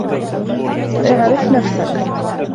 إعرف نفسك!